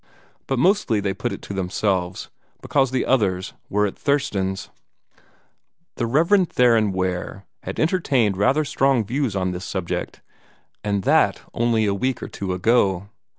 But mostly they put it to themselves, because the others were at "Thurston's." The Rev. Theron Ware had entertained rather strong views on this subject, and that only a week or two ago.